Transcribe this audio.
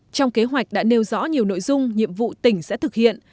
trong kế hoạch đã nêu rõ nhiều nội dung nhiệm vụ tỉnh sẽ thực hiện